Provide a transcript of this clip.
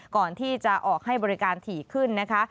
ก่อนที่จะออกให้บริการถี่ขึ้นนะคะ